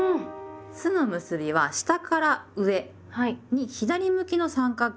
「す」の結びは下から上に左向きの三角形。